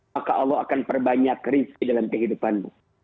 maka allah akan perbanyak rizki dalam kehidupanmu